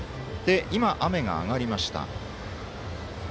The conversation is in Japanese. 今、雨が上がりました。